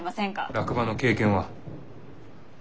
落馬の経験は？